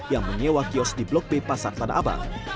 yang menyewa kios di blok b pasar tanah abang